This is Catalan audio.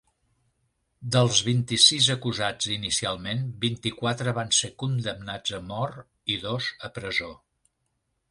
Dels vint-i-sis acusats, inicialment, vint-i-quatre van ser condemnats a mort i dos a presó.